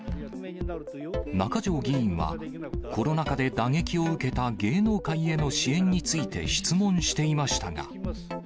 中条議員は、コロナ禍で打撃を受けた芸能界への支援について質問していましたが。